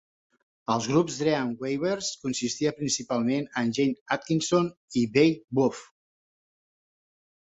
Els grup Dream Weavers consistia principalment en Gene Adkinson i Wade Buff.